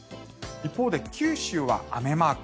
一方で九州は雨マーク。